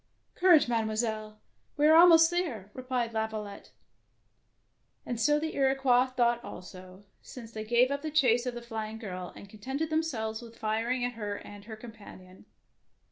" Courage, Mademoiselle ! we are al most there,'' replied Laviolette; and so the Iroquois thought also, since they gave up the chase of the flying girl, and contented themselves with firing at her and her companion.